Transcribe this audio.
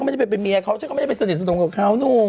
ผมก็ไม่รู้คือที่ผมถามเขาแบ่งสมบัติอะไรกันยังไงบ้าง